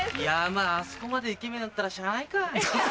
まぁあそこまでイケメンやったらしゃあないか。